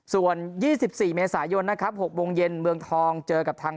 ส่วนยี่สิบสี่เมษายนนะครับหกวงเย็นเมืองทองเจอกับทาง